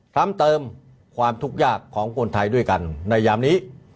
ซ้ำเติมความทุกข์ยากของคนไทยด้วยกันในยามนี้